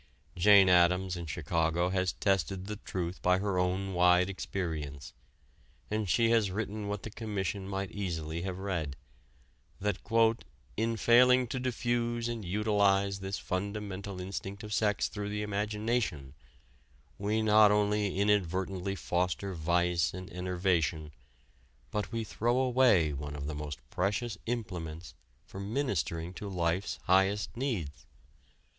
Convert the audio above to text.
Jane Addams in Chicago has tested the truth by her own wide experience, and she has written what the Commission might easily have read, that "in failing to diffuse and utilize this fundamental instinct of sex through the imagination, we not only inadvertently foster vice and enervation, but we throw away one of the most precious implements for ministering to life's highest needs.